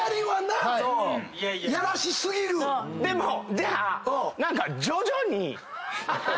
じゃあ何か徐々に。